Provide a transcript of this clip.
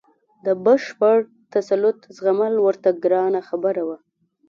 د بشپړ تسلط زغمل ورته ګرانه خبره وه.